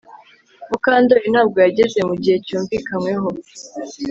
Mukandoli ntabwo yageze mugihe cyumvikanyweho